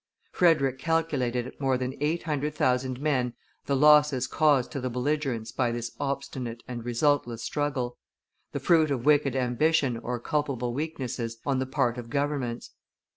Frederick calculated at more than eight hundred thousand men the losses caused to the belligerents by this obstinate and resultless struggle, the fruit of wicked ambition or culpable weaknesses on the part of governments.